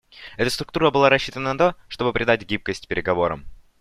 Эта структура была рассчитана на то, чтобы придать гибкость переговорам.